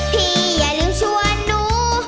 อย่าลืมชวนหนู